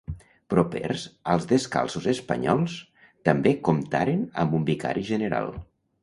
Propers als descalços espanyols, també comptaren amb un vicari general.